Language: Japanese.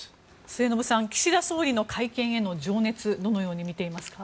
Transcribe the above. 末延さん、岸田総理の改憲への情熱はどのように見ていますか？